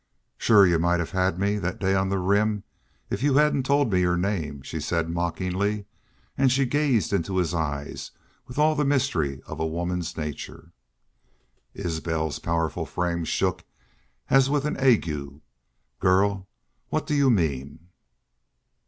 "Shore y'u might have had me that day on the Rim if y'u hadn't told your name," she said, mockingly, and she gazed into his eyes with all the mystery of a woman's nature. Isbel's powerful frame shook as with an ague. "Girl, what do you mean?"